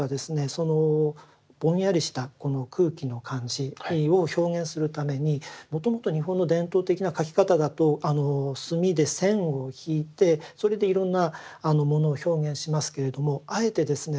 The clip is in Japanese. そのぼんやりしたこの空気の感じを表現するためにもともと日本の伝統的な描き方だと墨で線を引いてそれでいろんなものを表現しますけれどもあえてですね